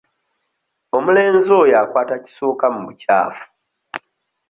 Omulenzi oyo akwata kisooka mu bukyafu.